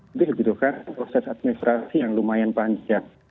kita membutuhkan proses administrasi yang lumayan panjang